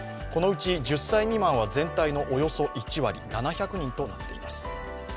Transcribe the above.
このうち１０歳未満は全体のおよそ１割、７００人となっています。